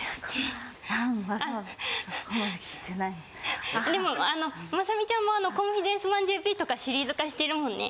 モノマネでもあのまさみちゃんも『コンフィデンスマンＪＰ』とかシリーズ化してるもんね。